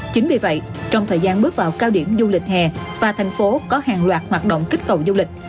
chính vì vậy trong thời gian bước vào cao điểm du lịch hè và thành phố có hàng loạt hoạt động kích cầu du lịch